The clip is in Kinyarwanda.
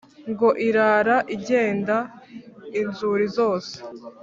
Ngo irara igenda inzuri zose